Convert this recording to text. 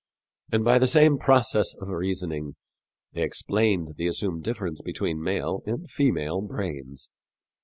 And by the same process of reasoning they explained the assumed difference between male and female brains.